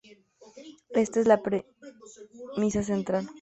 Esta es la premisa central.